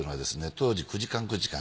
当時９時間９時間。